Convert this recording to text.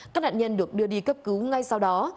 các nạn nhân được đưa đi cấp cứu ngay sau đó